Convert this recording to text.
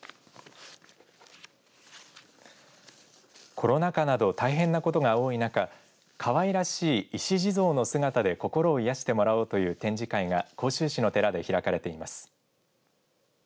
コロナ禍など大変なことが多い中かわいらしい石地蔵の姿で心を癒やしてもらおうという展示会が甲州市の寺で開かれています。